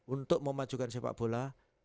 untuk memajukan sepak bola